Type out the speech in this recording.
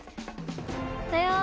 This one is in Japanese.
おはよう。